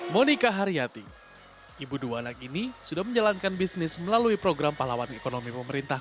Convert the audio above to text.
monika haryati ibu dua anak ini sudah menjalankan bisnis melalui program pahlawan ekonomi pemerintah